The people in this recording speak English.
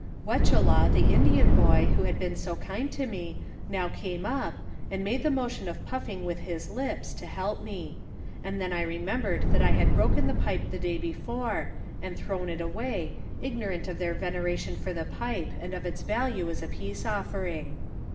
Wechela, the Indian boy, who had been so kind to me, now came up, and made the motion of puffing with his lips, to help me; and then I remembered that I had broken the pipe the day before, and thrown it away, ignorant of their veneration for the pipe, and of its value as a peace offering.